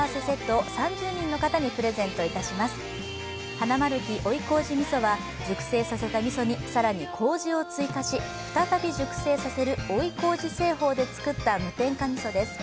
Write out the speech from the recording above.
ハナマルキ「追いこうじみそ」は熟成させたみそに、更にこうじを追加し、再び熟成させる、追いこうじ製法で作った無添加みそです。